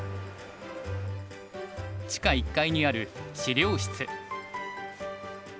地下１階にある資料室。